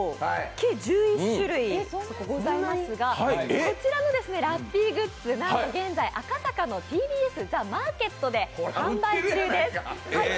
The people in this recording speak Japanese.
計１１種類ございますが、こちらのラッピーグッズ、なんと現在、赤坂のＴＢＳＴＨＥＭＡＲＫＥＴで販売中です。